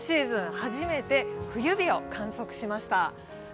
初めて冬日を観測しました。